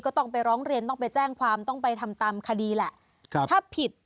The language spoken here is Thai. ก็ต้องไปร้องเรียนต้องไปแจ้งความต้องไปทำตามคดีแหละ